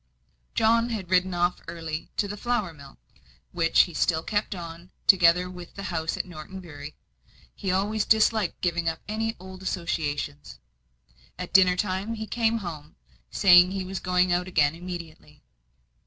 John had ridden off early to the flour mill, which he still kept on, together with the house at Norton Bury he always disliked giving up any old associations. At dinner time he came home, saying he was going out again immediately.